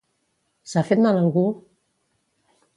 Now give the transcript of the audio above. S'ha fet mal algú?